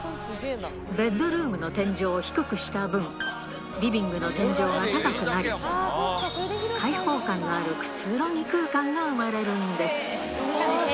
ベッドルームの天井を低くした分、リビングの天井が高くなり、開放感のあるくつろぎ空間が生まれるんです。